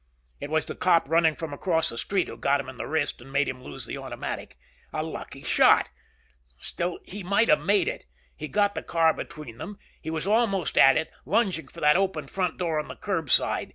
It was the cop running from across the street who got him in the wrist and made him lose the automatic. A lucky shot. Still, he might have made it. He got the car between them. He was almost at it, lunging for that open front door on the curb side.